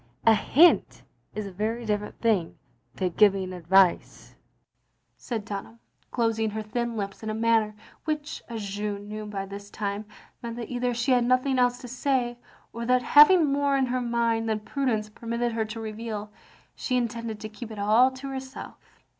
A hint is a very different thing to giving advice, " said Dun ham, closing her thin lips in a manner which, as Jeanne knew by this time, meant that either she had nothing else to say, or that, having more in her mind than prudence permitted her to reveal, she intended to keep it aU to herself.